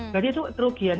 jadi itu kerugian